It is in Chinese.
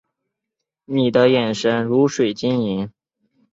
你的眼神如水晶莹